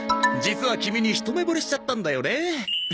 実はキミに一目ぼれしちゃったんだよね。